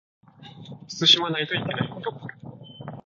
慎まないといけないことがある